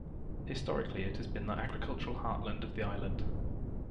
Historically, it has been the agricultural heartland of the island.